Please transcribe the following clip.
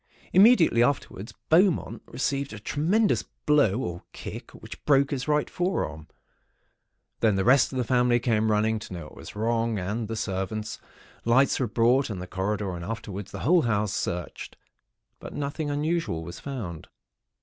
Immediately afterwards, Beaumont received a tremendous blow or kick, which broke his right forearm. Then the rest of the family came running, to know what was wrong, and the servants. Lights were brought, and the corridor and, afterwards, the whole house searched; but nothing unusual was found.